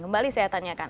kembali saya tanyakan